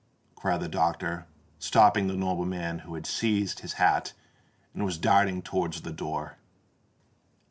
cried the doctor, stopping the nobleman who had seized his hat and was darting towards the door.